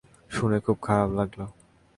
শুনে খুব খারাপ লাগলো।